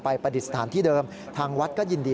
ไปปฏิสถานที่เดิมทางวัดก็ยินดี